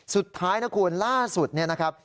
สุดท้ายนะคุณล่าสุดเนี่ยนะครับ